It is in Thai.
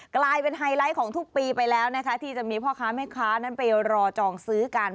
กลายเป็นไฮไลท์ของทุกปีไปแล้วนะคะที่จะมีพ่อค้าแม่ค้านั้นไปรอจองซื้อกัน